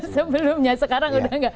sebelumnya sekarang udah nggak